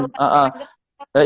iya biarin didengerin